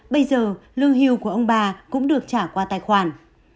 bây giờ lương hưu của ông bà cũng được trả qua tài khoản